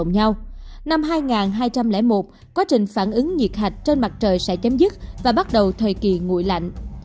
năm hai trăm hai mươi một quá trình phản ứng nhiệt hạch trên mặt trời sẽ chấm dứt và bắt đầu thời kỳ nguội lạnh